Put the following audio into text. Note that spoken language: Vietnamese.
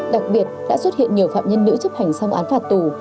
đặc biệt đã xuất hiện nhiều phạm nhân nữ chấp hành xong án phạt tù